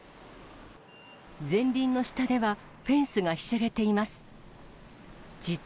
前輪の下ではフェンスがひしゃげています。